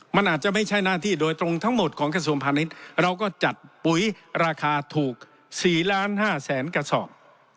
มันอาจจะไม่ใช่หน้าที่โดยตรงทั้งหมดของกระทรวงพาณิชย์เราก็จัดปุ๋ยราคาถูก๔ล้าน๕แสนกระสอบ